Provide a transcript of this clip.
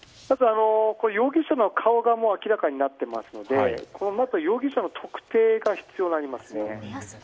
容疑者の顔が明らかになっていますのでこのあと、容疑者の特定が必要になりますね。